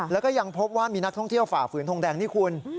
แล้วก็ยังพบว่ามีนักท่องเที่ยวฝ่าฝืนทงแดงนี่คุณ